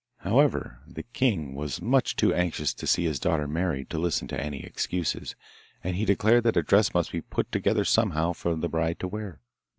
However, the king was much too anxious to see his daughter married to listen to any excuses, and he declared that a dress must be put together somehow for the bride to wear.